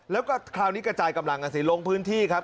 แล้วก็คราวนี้กระจายกำลังกันสิลงพื้นที่ครับ